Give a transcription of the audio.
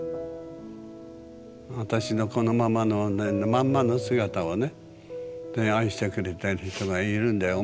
私のこのままのまんまの姿をね愛してくれてる人がいるんだよ。